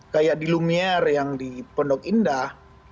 kayak di lumier yang di pondok indah